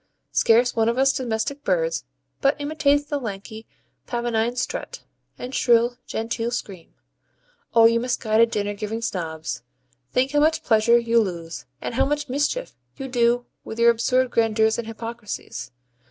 Scarce one of us domestic birds but imitates the lanky, pavonine strut, and shrill, genteel scream. O you misguided dinner giving Snobs, think how much pleasure you lose, and how much mischief you do with your absurd grandeurs and hypocrisies!